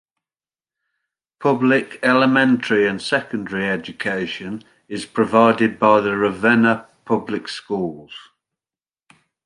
Public elementary and secondary education is provided by the Ravenna Public Schools.